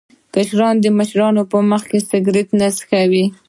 کشران د مشرانو په مخ کې سګرټ نه څکوي.